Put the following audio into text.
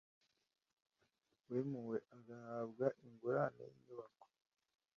wimuwe agahabwa ingurane y inyubako